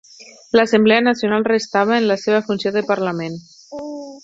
L'Assemblea Nacional restava en la seva funció de parlament.